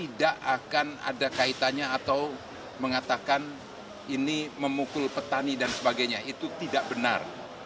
tidak akan ada kaitannya atau mengatakan ini memukul petani dan sebagainya itu tidak benar